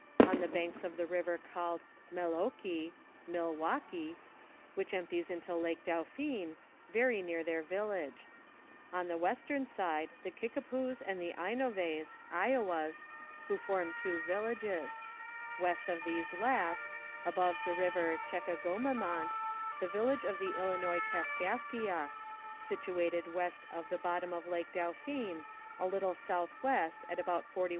on the banks of tlie river called Melleoki (Milwauki), which empties into Lake Dauphin, very near their village ; on the western side the Kikapous and the Ainoves (lowas), who form two villages ; west of these last, above the river Checagoumemant, the village of the Ilinois Cascaschia, situated west of the bottom of Lake Dauphin, a little southwest at about 41° N.